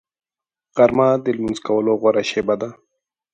غرمه د لمونځ کولو غوره شېبه ده